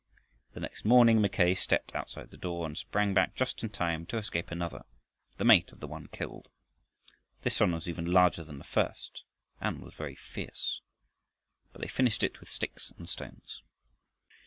The next morning, Mackay stepped outside the door and sprang back just in time to escape another, the mate of the one killed. This one was even larger than the first, and was very fierce. But they finished it with sticks and stones.